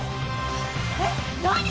えっ何！？